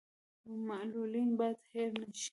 معلولین باید هیر نشي